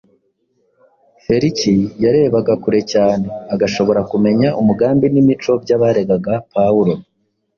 Feliki yarebaga kure cyane agashobora kumenya umugambi n’imico by’abaregaga Pawulo